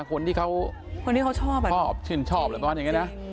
คนที่เขาชอบชินชอบเลยประมาณอย่างนี้นะ